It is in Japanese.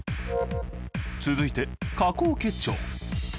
続いて下行結腸。